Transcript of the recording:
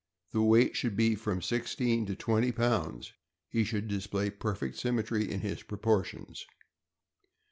The weight should be from six teen to twenty pounds. He should display perfect sym metry in his proportions.